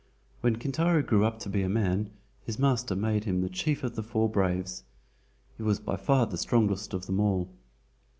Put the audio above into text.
When Kintaro grew up to be a man his master made him the Chief of the Four Braves. He was by far the strongest of them all.